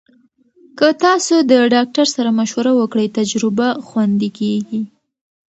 که تاسو د ډاکټر سره مشوره وکړئ، تجربه خوندي کېږي.